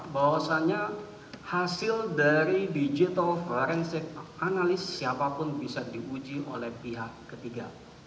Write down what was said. bahwasannya hasil dari digital forensik analyst siapapun bisa diuji oleh pihak ketiga